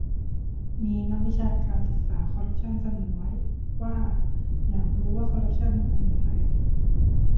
มีนักวิชาการศึกษาคอร์รัปชั่นเสนอไว้ว่าอยากรู้ว่าคอร์รัปชั่นทำงานยังไง